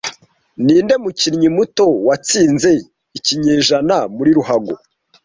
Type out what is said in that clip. Ninde mukinnyi muto watsinze ikinyejana muri ruhago